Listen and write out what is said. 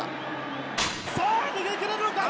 さあ逃げきれるのか？